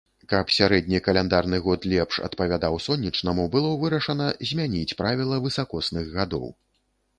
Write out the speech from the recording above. Каб сярэдні каляндарны год лепш адпавядаў сонечнаму, было вырашана змяніць правіла высакосных гадоў.